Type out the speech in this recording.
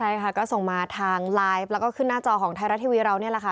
ใช่ค่ะก็ส่งมาทางไลน์แล้วก็ขึ้นหน้าจอของไทยรัฐทีวีเรานี่แหละค่ะ